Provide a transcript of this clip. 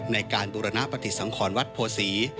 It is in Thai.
ในการบุรณปฏิสังขรวัดโพศี